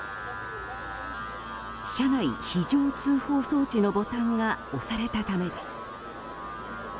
車内非常通報装置のボタンが押されたためです。